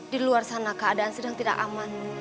di luar sana keadaan sedang tidak aman